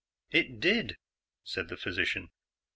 "It did," said the physician.